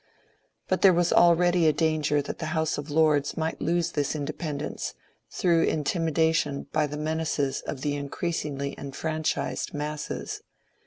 But there was already a danger that the House of Lords might lose this independence through intimidation by the menaces of the increasingly enfranchised masses.